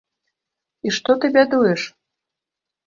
І што ты бядуеш?